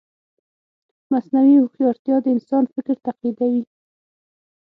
مصنوعي هوښیارتیا د انسان فکر تقلیدوي.